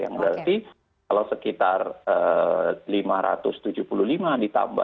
yang berarti kalau sekitar lima ratus tujuh puluh lima ditambah satu ratus tiga puluh enam